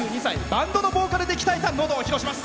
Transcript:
バンドのボーカルで鍛えたのどを披露します。